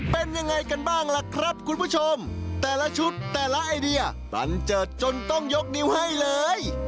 เป็นยังไงกันบ้างล่ะครับคุณผู้ชมแต่ละชุดแต่ละไอเดียบันเจิดจนต้องยกนิ้วให้เลย